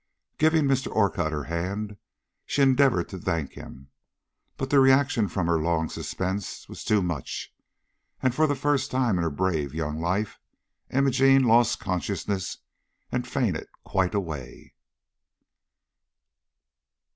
Giving Mr. Orcutt her hand, she endeavored to thank him, but the reaction from her long suspense was too much, and, for the first time in her brave young life, Imogene lost consciousness and fainted quite away.